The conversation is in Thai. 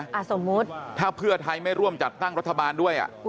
สมมุติถ้าเพื่อไทยไม่ร่วมจัดตั้งรัฐบาลด้วย